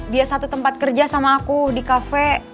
dia satu tempat kerja sama aku di kafe